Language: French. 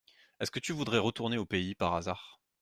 Est-ce que tu voudrais retourner au pays, par hasard ?